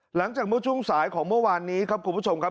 หลังจากเมื่อช่วงสายของเมื่อวานนี้ครับคุณผู้ชมครับ